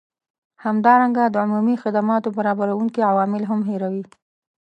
همدارنګه د عمومي خدماتو برابروونکي عوامل هم هیروي